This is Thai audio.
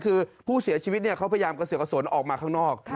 คือผู้เสียชีวิตเขาพยายามกระเสือกกระสนออกมาข้างนอก